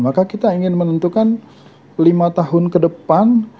maka kita ingin menentukan lima tahun ke depan